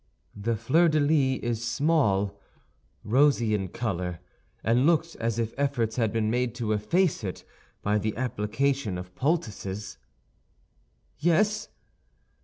"The fleur de lis is small, rosy in color, and looks as if efforts had been made to efface it by the application of poultices?" "Yes."